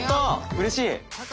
うれしい！